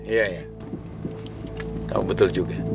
iya ya kamu betul juga